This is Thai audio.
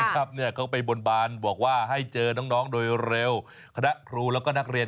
กลับไปบลบานสารกลาวน์นี่เว้ย